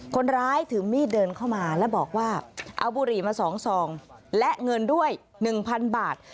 คนร้ายถือมีดเดินเข้ามาแล้วบอกว่าเอาบุหรี่มา๒ซองและเงินด้วย๑๐๐๐บาท